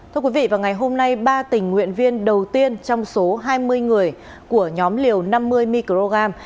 thưa quý vị vào ngày hôm nay ba tình nguyện viên đầu tiên trong số hai mươi người của nhóm liều năm mươi microgram